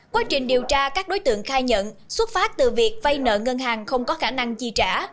quá trình điều tra các đối tượng khai nhận xuất phát từ việc vay nợ ngân hàng không có khả năng chi trả